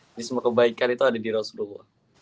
jadi semua kebaikan itu ada di rasulullah